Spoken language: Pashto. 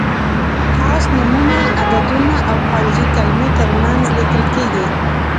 خاص نومونه، عددونه او خارجي کلمې تر منځ لیکل کیږي.